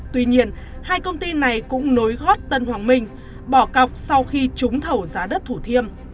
tuy nhiên hai công ty này cũng nối gót tân hoàng minh bỏ cọc sau khi trúng thầu giá đất thủ thiêm